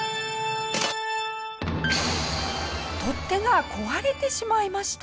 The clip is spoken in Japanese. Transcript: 取っ手が壊れてしまいました。